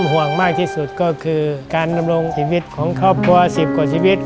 ห่วงมากที่สุดก็คือการดำรงชีวิตของครอบครัว๑๐กว่าชีวิต